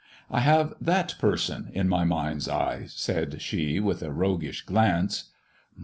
'' I have that person in my mind's eye," said she, with a roguish glance.